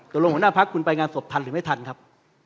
ลงหัวหน้าพักคุณไปงานศพทันหรือไม่ทันครับ